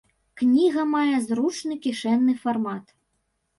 Кніга мае зручны кішэнны фармат.